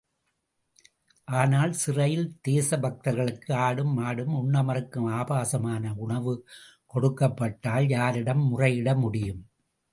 ஆனால் சிறையில் தேசபக்தர்களுக்கு, ஆடும், மாடும் உண்ண மறுக்கும் ஆபாசமான உணவு கொடுக்கப்பட்டால் யாரிடம் முறையிடமுடியும்?